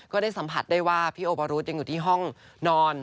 ก็ได้สัมผัสได้ว่าพี่โอบารุษยังอยู่ที่ห้องนอน